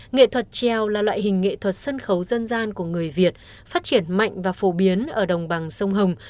nghệ thuật trèo là loại hình nghệ thuật sân khấu dân gian của người việt phát triển mạnh và phổ biến ở đồng bằng sông hồng